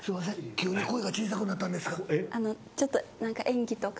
急に声が小さくなったんですが。